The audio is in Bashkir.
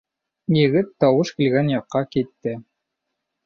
Егет тауыш килгән яҡҡа китте.